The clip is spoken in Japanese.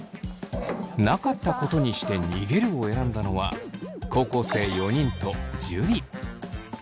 「なかったことにして逃げる」を選んだのは高校生４人と樹。